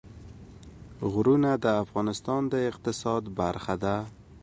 غرونه د افغانستان د اقتصاد برخه ده.